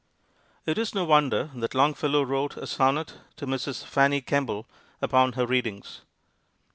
It is no wonder that Longfellow wrote a sonnet to Mrs. Fanny Kemble upon her Readings.